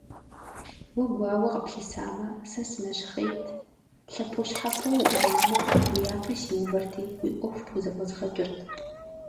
Уэ гуауэ къыплъысамэ, сэ сынэщхъейт, лъэпощхьэпо уӀууамэ, уи япэ сиувэрти, уи Ӏуэху пхузэфӀэзгъэкӀырт.